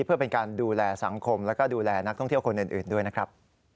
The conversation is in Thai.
เพื่อเป็นการดูแลสังคมแล้วก็ดูแลนักท่องเที่ยวคนอื่นด้วยนะครับ